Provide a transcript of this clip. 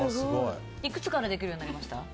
いくつからできるようになりました？